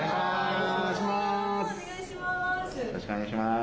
よろしくお願いします。